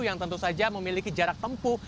yang tentu saja memiliki jarak tempuh